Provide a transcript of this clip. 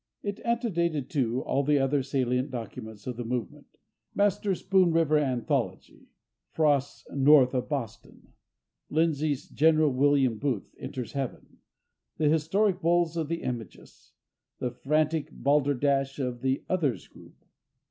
It antedated, too, all the other salient documents of the movement—Master's "Spoon River Anthology," Frost's "North of Boston," Lindsay's "General William Booth Enters Heaven," the historic bulls of the Imagists, the frantic balderdash of the "Others" group.